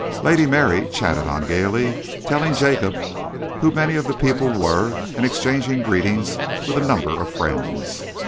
Lady Mary chattered on gaily, telling Jacob who many of the people were and exchanging greetings with a number of friends.